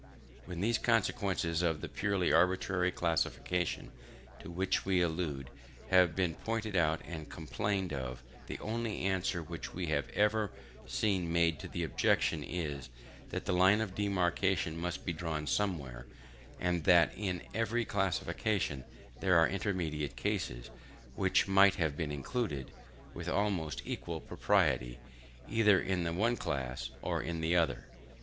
When these consequences of the purely arbitrary classification to which we allude have been pointed out and complained of, the only answer which we have ever seen made to the objection is, that the line of demarcation must be drawn somewhere, and that in every classification there are intermediate cases, which might have been included, with almost equal propriety, either in the one class or in the other.